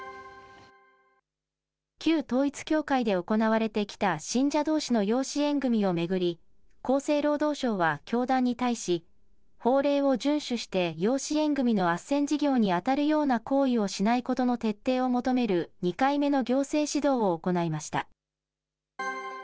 旧統一教会で行われてきた信者どうしの養子縁組を巡り、厚生労働省は教団に対し、法令を順守して養子縁組のあっせん事業に当たるような行為をしないことの徹底を求める２回目の行政指導を行いました。